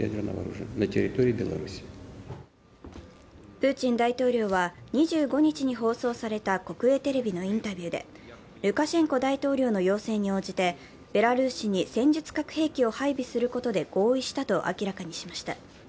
プーチン大統領は２５日に放送された国営テレビのインタビューでルカシェンコ大統領の要請に応じてベラルーシに戦術核兵器を配備することで合意したと明らかにしました。